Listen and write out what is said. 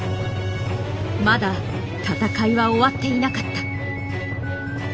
まだ戦いは終わっていなかった。